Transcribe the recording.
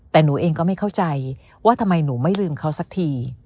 แต่หนูเองก็ไม่เข้าใจว่าทำไมหนูไม่ลืมเขาสักที